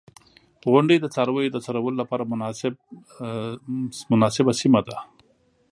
• غونډۍ د څارویو د څرولو لپاره مناسبه سیمه ده.